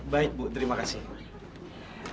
baik bu terima kasih